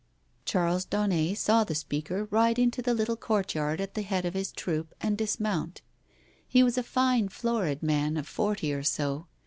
Charles Daunet saw the speaker ride into the little courtyard at the Head of his troop, and dismount. He was a fine florid man of forty or so.